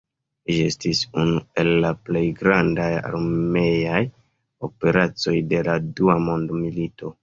Ĝi estis unu el la plej grandaj armeaj operacoj de la dua mondmilito.